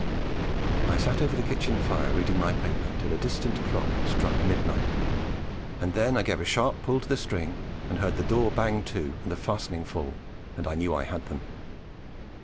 I sat over the kitchen fire reading my paper till a distant clock struck midnight, and then I gave a sharp pull to the string and heard the door bang to and the fastening fall, and I knew I had them.